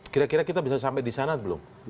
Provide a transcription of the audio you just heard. kira kira kita bisa sampai di sana belum